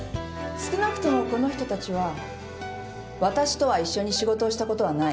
少なくともこの人たちはわたしとは一緒に仕事をしたことはない。